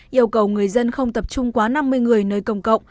yêu cầu người dân không tập trung quá năm mươi người nơi công cộng